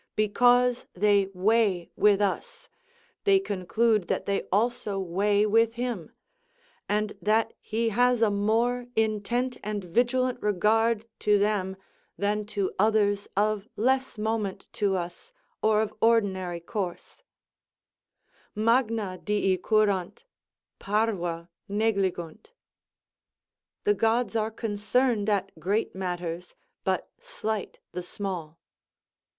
Because they weigh with us, they conclude that they also weigh with him, and that he has a more intent and vigilant regard to them than to others of less moment to us or of ordinary course: Magna Dii curant, parva negligunt: "The gods are concerned at great matters, but slight the small."